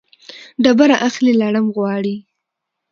ډبره اخلي ، لړم غواړي.